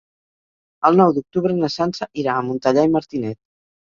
El nou d'octubre na Sança irà a Montellà i Martinet.